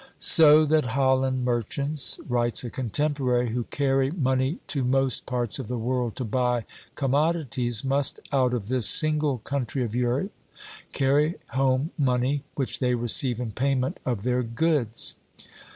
"So that Holland merchants," writes a contemporary, "who carry money to most parts of the world to buy commodities, must out of this single country of Europe carry home money, which they receive in payment of their goods."